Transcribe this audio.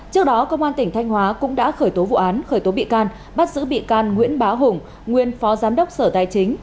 trước đó công an tỉnh thanh hóa cũng đã khởi tố vụ án khởi tố bị can bắt giữ bị can nguyễn bá hùng nguyên phó giám đốc sở tài chính